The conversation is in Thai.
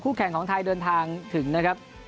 แข่งของไทยเดินทางถึงนะครับ